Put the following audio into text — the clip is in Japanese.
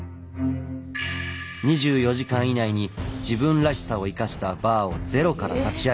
２４時間以内に自分らしさを生かしたバーをゼロから立ち上げること。